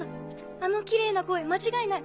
あのきれいな声間違いない。